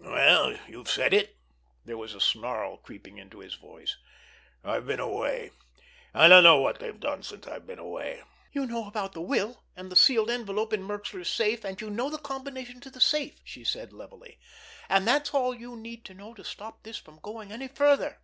"Well, you've said it!" There was a snarl creeping into his voice. "I've been away. I don't know what they've done since I've been away." "You know about the will, and the sealed envelope in Merxler's safe, and you know the combination to the safe," she said levelly. "And that's all you need to know to stop this from going any further."